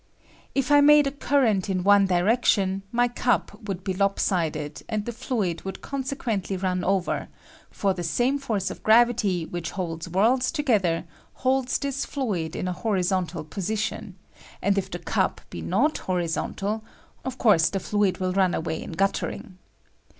If I made a current in one direction, my cup would be lop sided, and the fluid would consequently run over; ■r the same force of gravity which holds worlds together holds this fluid in a horizontal position, and if the cup be not horizontal, of course the fluid will run away in guttering.